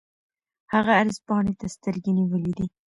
هغه عرض پاڼې ته سترګې نیولې دي.